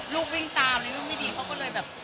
ลูกวิ่งตามอะไรอย่างนี้ไม่ดีเขาก็เลยแบบ